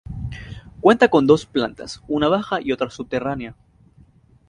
Cuenta con dos plantas, una baja y otra subterránea.